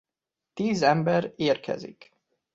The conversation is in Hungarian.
Tíz ember érkezik.